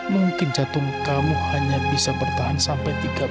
mungkin jantung kamu bisa bertahan sampai tiga bulan dah